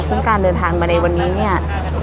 ซึ่งการเดินทางมาในวันนี้เนี่ย